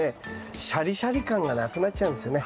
シャリシャリ感がなくなっちゃうんですよね